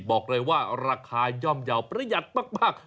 บอกเลยว่าราคาย่อมเยาว์ประหยัดมาก